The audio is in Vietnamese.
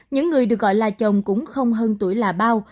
những người được gọi là chồng cũng không hơn tuổi là bao